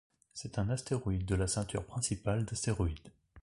C'est un astéroïde de la ceinture principale d'astéroïdes.